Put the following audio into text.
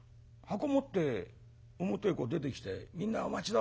持って表へこう出てきて『みんなお待ち遠！